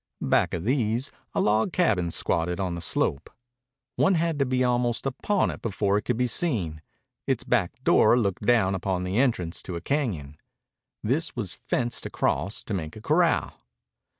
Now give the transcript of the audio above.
Back of these a log cabin squatted on the slope. One had to be almost upon it before it could be seen. Its back door looked down upon the entrance to a cañon. This was fenced across to make a corral.